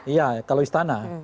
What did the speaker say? iya kalau istana